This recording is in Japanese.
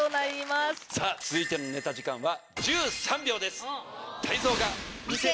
続いてのネタ時間は。